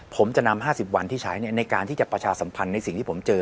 ผมจะนำ๕๐วันที่ใช้ในการที่จะประชาสัมพันธ์ในสิ่งที่ผมเจอ